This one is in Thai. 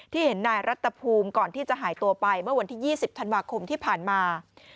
เห็นนายรัฐภูมิก่อนที่จะหายตัวไปเมื่อวันที่๒๐ธันวาคมที่ผ่านมา